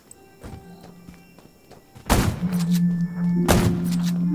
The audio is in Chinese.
更何况盖奇本身又对殖民者抱有同情。